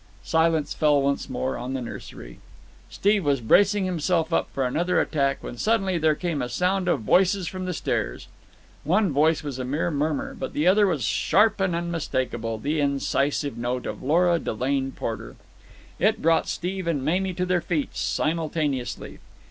Silence fell once more on the nursery. Steve was bracing himself up for another attack when suddenly there came a sound of voices from the stairs. One voice was a mere murmur, but the other was sharp and unmistakable, the incisive note of Lora Delane Porter. It brought Steve and Mamie to their feet simultaneously.